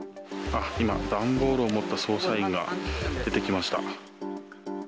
今、段ボールを持った捜査員が出てきました。